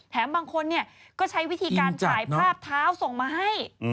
บางคนก็ใช้วิธีการถ่ายภาพเท้าส่งมาให้